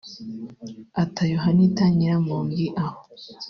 ata Yohanita Nyiramongi aho